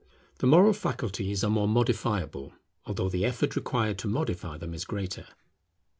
The moral faculties are more modifiable, although the effort required to modify them is greater.